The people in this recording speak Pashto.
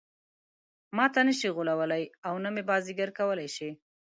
ماته نه شي غولولای او نه مې بازيګر کولای شي.